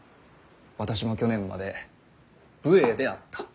私も去年まで武衛であった。